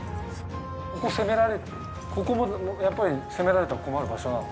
ここ攻められてここもやっぱり攻められたら困る場所なの？